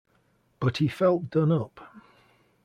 But he felt done up.